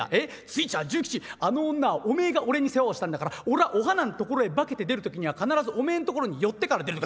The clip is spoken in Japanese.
『ついちゃあ重吉あの女はおめえが俺に世話をしたんだから俺はお花んところへ化けて出る時には必ずおめえんとこに寄ってから出る』。